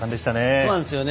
そうなんですよね。